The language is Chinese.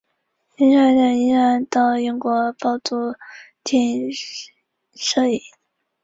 是中国中央电视台制作并播出的一部展现中国重大工程项目的纪录片。